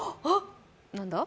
何だ？